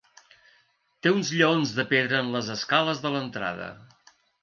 Té uns lleons de pedra en les escales de l'entrada.